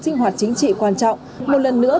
sinh hoạt chính trị quan trọng một lần nữa